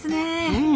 うん。